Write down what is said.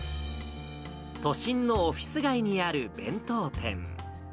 都心のオフィス街にある弁当店。